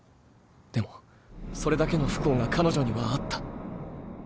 でもそれだけの不幸が彼女にはあった